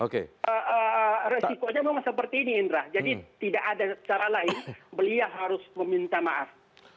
resikonya memang seperti ini indra jadi tidak ada cara lain beliau harus meminta maaf